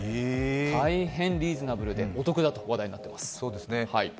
大変リーズナブルでお得だと話題になっています。